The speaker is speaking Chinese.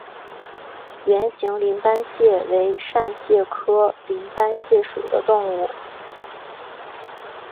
圆形鳞斑蟹为扇蟹科鳞斑蟹属的动物。